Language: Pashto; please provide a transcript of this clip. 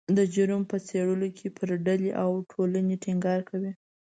د جرم په څیړلو کې پر ډلې او ټولنې ټینګار کوي